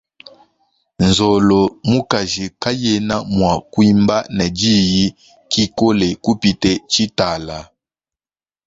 Nzolo mukaji kayena mua kuimba ne diyi kikole kupita tshitala.